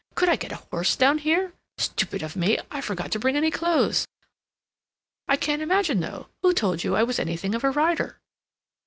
"Could I get a horse down here? Stupid of me! I forgot to bring any clothes. I can't imagine, though, who told you I was anything of a rider?"